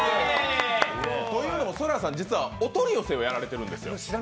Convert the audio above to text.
というのも、そらさん、実はお取り寄せもやられてるんです。